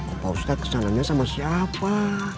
opa ustadz kesanannya sama siapa